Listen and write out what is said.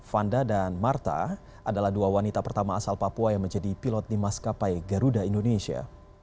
fanda dan marta adalah dua wanita pertama asal papua yang menjadi pilot di maskapai garuda indonesia